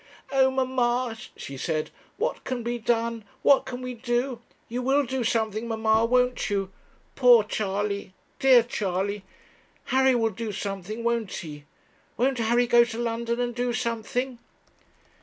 'Oh, mamma!' she said ' what can be done? What can we do? You will do something, mamma, won't you? Poor Charley! Dear Charley! Harry will do something won't he? Won't Harry go to London, and do something?'